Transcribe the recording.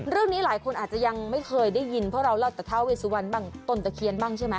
เรื่องนี้หลายคนอาจจะยังไม่เคยได้ยินเพราะเราเล่าแต่ท้าเวสุวรรณบ้างต้นตะเคียนบ้างใช่ไหม